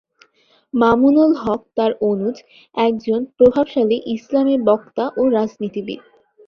মামুনুল হক তার অনুজ, একজন প্রভাবশালী ইসলামি বক্তা ও রাজনীতিবিদ।